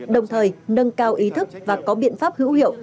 đồng thời nâng cao ý thức và có biện pháp hữu hiệu